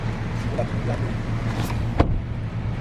Wul àtum ghɨ a ndo.